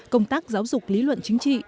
công tác giáo dục lý luận chính trị